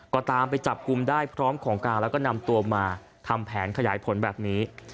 ก็ตามไปจับกลุ่มได้พร้อมของกลางแล้วก็นำตัวมาทำแผนขยายผลแบบนี้